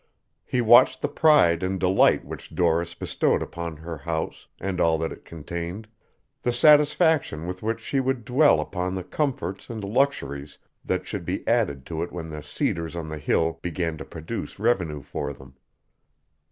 He watched the pride and delight which Doris bestowed upon her house and all that it contained, the satisfaction with which she would dwell upon the comforts and luxuries that should be added to it when the cedars on the hill began to produce revenue for them.